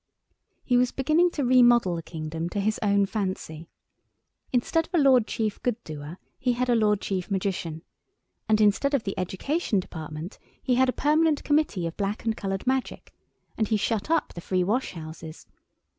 He was beginning to remodel the kingdom to his own fancy. Instead of a Lord Chief Good doer he had a Lord Chief Magician, and instead of the Education Department he had a Permanent Committee of Black and Coloured Magic, and he shut up the free washhouses.